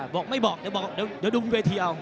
บอกไม่บอกเดี๋ยวดูเวทีเอา